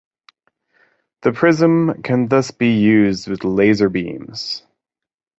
The prism can thus be used with laser beams.